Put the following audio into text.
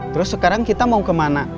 terus sekarang kita mau kemana